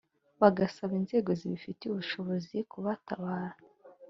bagasaba inzego zibifitiye ubushobozi kubatabara